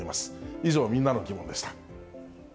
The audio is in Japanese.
以上、みんなのギモンでした。